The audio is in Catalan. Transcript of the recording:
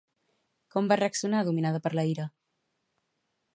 Com va reaccionar dominada per la ira?